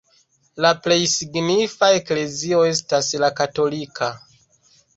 La plej signifa eklezio estas la katolika.